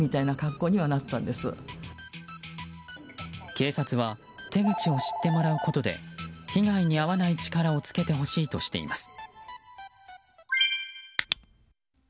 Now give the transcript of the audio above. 警察は手口を知ってもらうことで被害に遭わない力をつけてほしいとしています。